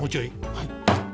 はい。